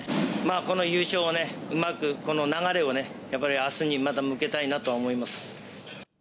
この優勝をね、うまくこの流れをやっぱりあすにまた向けたいなとは思います。